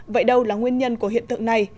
vậy đâu là nguyên nhân của hiện tượng này